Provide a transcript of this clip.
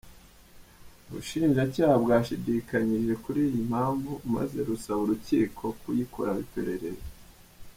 Ubushinjacyaha bwashidikanyije kuri iyi mpamvu maze rusaba urukiko kuyikoraho iperereza.